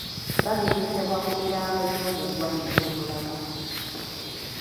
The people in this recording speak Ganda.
Bagezesebwa ku mirambo gy'omu ggwanika e Mulago.